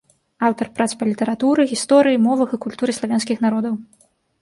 Аўтар прац па літаратуры, гісторыі, мовах і культуры славянскіх народаў.